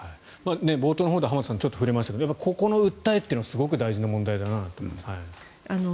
冒頭のほうで浜田さんちょっと触れましたがここの訴えがすごく大事な問題だなと思います。